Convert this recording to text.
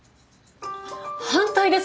反対です。